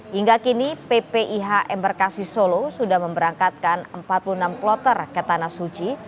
hingga kini ppih embarkasi solo sudah memberangkatkan empat puluh enam kloter ke tanah suci